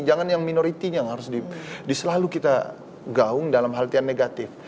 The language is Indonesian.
jangan yang minority yang harus selalu kita gaung dalam hal yang negatif